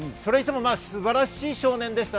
素晴らしい少年でした。